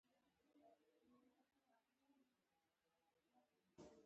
ایا ښکلا عملیات مو کړی دی؟